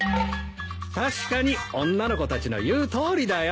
確かに女の子たちの言うとおりだよ。